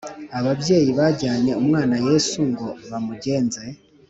ababyeyi bajyanye umwana Yesu ngo bamugenze